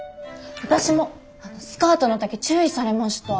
私もスカートの丈注意されました。